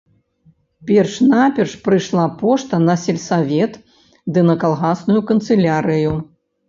Перш-наперш прыйшла пошта на сельсавет ды на калгасную канцылярыю.